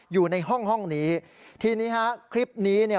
อยู่ในห้องห้องนี้ทีนี้ฮะคลิปนี้เนี่ย